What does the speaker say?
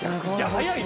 はい。